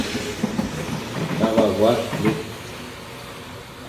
Tavagua club.